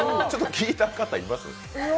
ちょっと聞いた方、います？